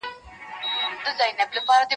ما چي ول احمد به بالا مېلمه وي باره هغه کوربه و